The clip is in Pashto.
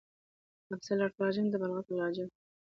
افضل التراجم بالغت العاجم